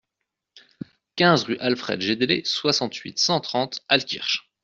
quinze rue Alfred Jédélé, soixante-huit, cent trente, Altkirch